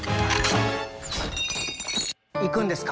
行くんですか？